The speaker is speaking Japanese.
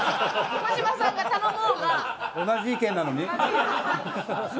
児嶋さんが頼もうが。